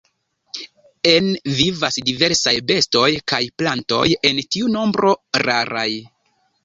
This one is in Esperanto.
En vivas diversaj bestoj kaj plantoj, en tiu nombro raraj.